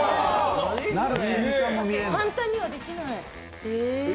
簡単にはできない。